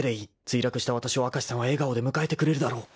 ［墜落したわたしを明石さんは笑顔で迎えてくれるだろう］